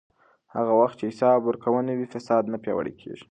هغه وخت چې حساب ورکونه وي، فساد نه پیاوړی کېږي.